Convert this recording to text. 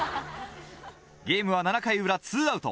ゲームは７回裏２アウト。